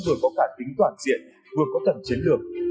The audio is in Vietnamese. vừa có cả tính toàn diện vừa có tầm chiến lược